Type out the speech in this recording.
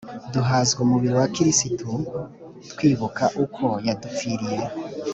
duhazwa umubiri wa kristu twibuka uko yadupfiriye